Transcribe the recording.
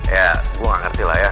ya gue gak ngerti lah ya